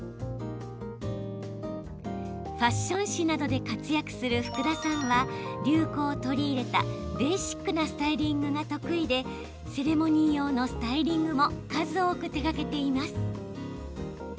ファッション誌などで活躍する福田さんは流行を取り入れたベーシックなスタイリングが得意でセレモニー用のスタイリングも数多く手がけています。